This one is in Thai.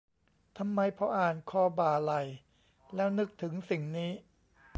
ทำไมพออ่าน "คอบ่าไหล่" แล้วนึกถึงสิ่งนี้